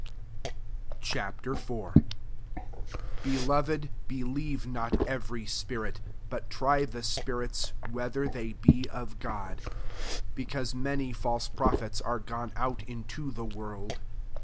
Ch. IV. 1 Beloved, believe not every spirit, but try the spirits whether they be of God: because many false prophets are gone out into the world.